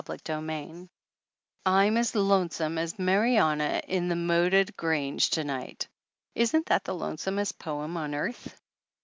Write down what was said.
269 CHAPTER XIV I'M as lonesome as Marianna m the Moated Grange to night! Isn't that the lone somest poem on earth?